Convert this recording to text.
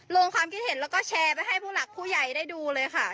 ลงความคิดเห็นแล้วก็แชร์ไปให้ผู้หลักผู้ใหญ่ได้ดูเลยค่ะ